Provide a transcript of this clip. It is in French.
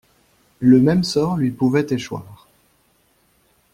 Le même sort lui pouvait échoir.